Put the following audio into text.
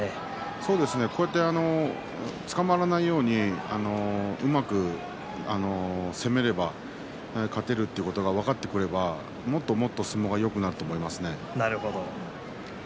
そうですねこうやってつかまらないようにうまく攻めれば勝てるということが分かってくればもっともっと相撲よくなってくると思いますね。